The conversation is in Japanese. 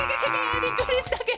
びっくりしたケロ！